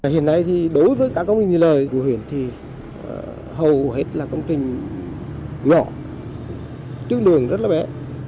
hiện nay thì đối với cả công trình thi lời của huyện thì hầu hết là công trình nhỏ chứ lượng rất là bé